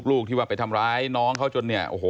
ลูกที่ว่าไปทำร้ายน้องเขาจนเนี่ยโอ้โห